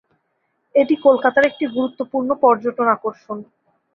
এটি কলকাতার একটি গুরুত্বপূর্ণ পর্যটন আকর্ষণ।